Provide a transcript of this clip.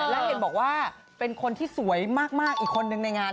และเห็นบอกว่าเป็นคนที่สวยมากอีกคนนึงในงาน